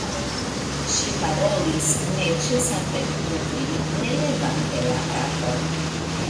Ŝi parolis, ne ĉesante kudri, ne levante la kapon.